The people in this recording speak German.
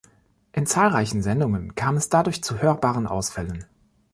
In zahlreichen Sendungen kam es dadurch zu hörbaren Ausfällen.